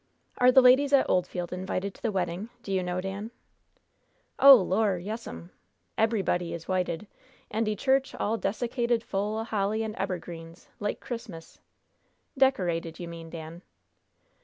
Are the ladies at Oldfield invited to the wedding, do you know, Dan?" "Oh, Lor'! yes'm. Ebrybody is 'wited, an' de church all dessicated full o' holly an' ebbergreens, like Chris'mas!" "Decorated, you mean, Dan."